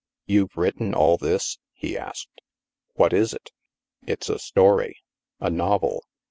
You've written all this? " he asked. " What is it?" "It's a story. A novel.